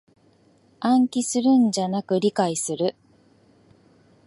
暗記するんじゃなく理解する